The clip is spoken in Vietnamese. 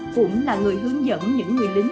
cũng là người hướng dẫn những người lính